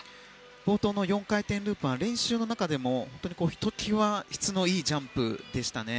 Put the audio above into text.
冒頭の４回転ループは練習の中でも本当にひときわ質のいいジャンプでしたね。